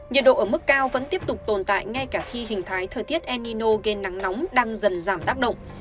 nhiệt độ ở mức cao vẫn tiếp tục tồn tại ngay cả khi hình thái thời tiết enino gây nắng nóng đang dần giảm tác động